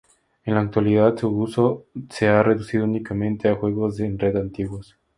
En la actualidad su uso se ha reducido únicamente a juegos en red antiguos.